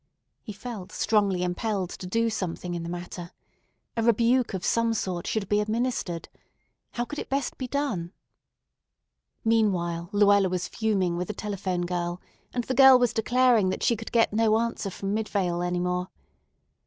He felt strongly impelled to do something in the matter. A rebuke of some sort should be administered. How could it best be done? Meantime Luella was fuming with the telephone girl, and the girl was declaring that she could get no answer from Midvale any more.